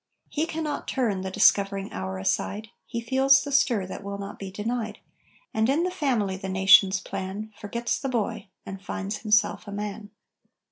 He cannot turn the discovering hour aside, He feels the stir that will not be denied, And in the family the Nations plan Forgets the boy and finds himself a man!